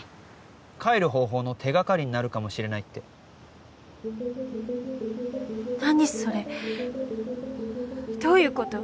帰る方法の手がかりになるかもしれないって何それどういうこと？